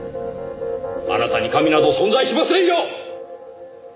あなたに神など存在しませんよ！